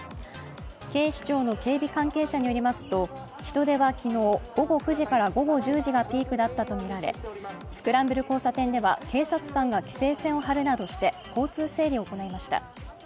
警視庁の警備関係者によりますと人出は昨日、午後９時から午後１０時がピークだったとみられ、スクランブル交差点では警察官が規制線を張るなどして交通整理を行いました。